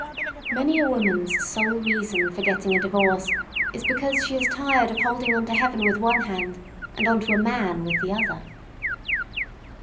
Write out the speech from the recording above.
Many a woman's sole reason for getting a divorce is because she is tired of holding onto heaven with one hand and onto a man with the other.